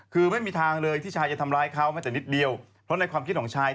คือไม่มีทางเลยที่ชายจะทำร้ายเขาแม้แต่นิดเดียวเพราะในความคิดของชาย